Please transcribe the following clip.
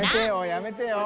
やめてよ。